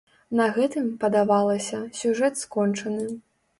На гэтым, падавалася, сюжэт скончаны.